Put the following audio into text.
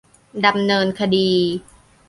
ดำเนินคดี